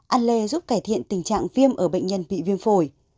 ăn lê giúp cải thiện tình trạng viêm ở bệnh nhân bị viêm phổi